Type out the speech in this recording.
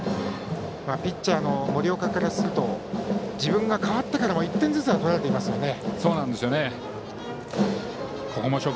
ピッチャーの森岡からすると自分が代わってからも１点ずつは取られていますよね。